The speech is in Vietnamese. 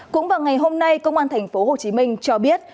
cũng vào ngày hôm nay cơ quan thành phố hồ chí minh cho biết